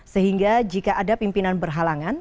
sehingga jika ada pimpinan berhalangan